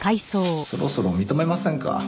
そろそろ認めませんか？